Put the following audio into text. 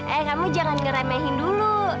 eh kamu jangan ngeremehin dulu